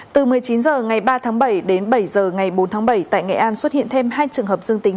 từ một mươi chín h ngày ba tháng bảy đến bảy h ngày bốn tháng bảy tại nghệ an xuất hiện thêm hai trường hợp dương tính